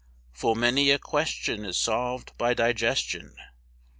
Full many a question is solved by digestion.